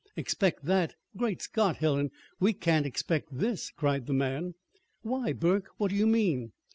"Expect that! Great Scott, Helen, we can't expect this!" cried the man. "Why, Burke, what do you mean?"